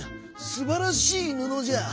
すばらしいぬのじゃ。